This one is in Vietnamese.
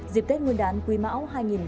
dịp tết nguyên đán quý mão hai nghìn hai mươi